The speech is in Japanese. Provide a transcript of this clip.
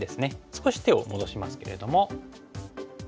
少し手を戻しますけれども。